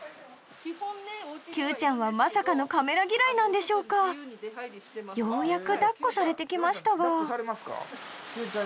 キュウちゃんはまさかのカメラ嫌いなんでしょうかようやく抱っこされてきましたがキュウちゃん